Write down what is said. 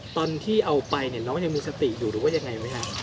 ตอนที่เอาไปเนี่ยน้องยังมีสติอยู่หรือว่ายังไงไหมฮะ